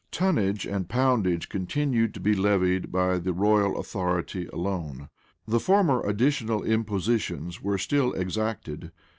Tonnage and poundage continued to be levied by the royal authority alone. The former additional impositions were still exacted.